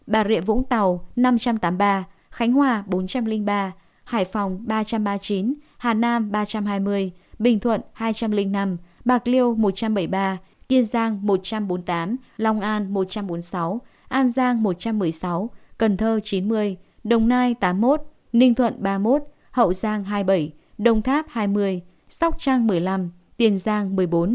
bà rịa vũng tàu năm tám mươi ba khánh hòa bốn ba hải phòng ba ba mươi chín hà nam ba hai mươi bình thuận hai năm bạc liêu một bảy mươi ba kiên giang một bốn mươi tám lòng an một bốn mươi sáu an giang một một mươi sáu cần thơ chín mươi đồng nai tám mươi một ninh thuận ba mươi một hậu giang hai mươi bảy đồng tháp hai mươi sóc trang một mươi năm tiền giang một mươi bốn